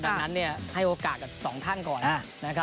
ดังนั้นเนี่ยให้โอกาสกับสองท่านก่อนนะครับ